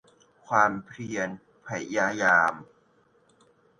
ความเพียรพยายาม